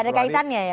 tidak ada kaitannya ya